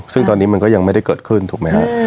ซึ่งตอนนี้มันก็ยังไม่ได้เกิดขึ้นถูกไหมฮะ